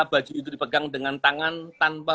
baju itu dipegang dengan tangan tanpa